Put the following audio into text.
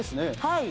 はい。